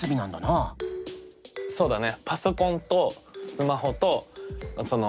そうだね。